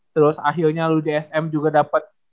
terus akhirnya lu di sm juga dapet